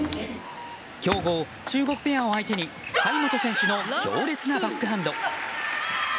強豪・中国ペアを相手に張本選手の強烈なバックハンド。